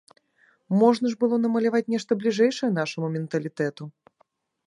Можна ж было намаляваць нешта бліжэйшае нашаму менталітэту.